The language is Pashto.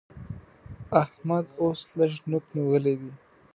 احمد اوس لږ نوک نيول دی